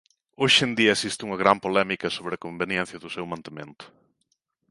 Hoxe en día existe una gran polémica sobre a conveniencia do seu mantemento.